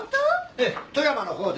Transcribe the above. ええ富山の方でね